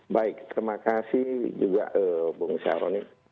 baik terima kasih juga bung syahroni